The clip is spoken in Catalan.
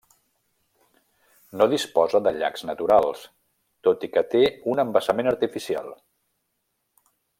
No disposa de llacs naturals tot i que té un embassament artificial.